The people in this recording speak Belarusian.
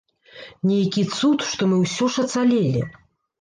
Нейкі цуд, што мы ўсё ж ацалелі.